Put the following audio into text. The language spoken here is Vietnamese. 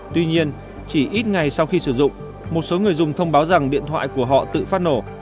tuy nhiên chỉ ít ngày sau khi sử dụng một số người dùng thông báo rằng điện thoại của họ tự phát nổ